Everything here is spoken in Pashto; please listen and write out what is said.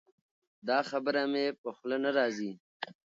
دا خبره مې په خوله نه راځي.